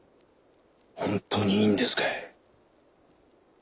本当にいいんですかい？